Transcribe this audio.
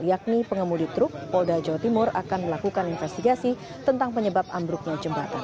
yakni pengemudi truk polda jawa timur akan melakukan investigasi tentang penyebab ambruknya jembatan